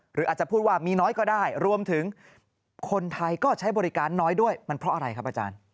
หรืออาจจะพูดว่ามีน้อยก็ได้รวมถึงคนไทยก็ใช้บริการน้อยด้วยมันเพราะอะไรครับอาจารย์